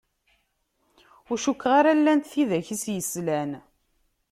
Ur cukkeɣ ara llant tidak i s-yeslan.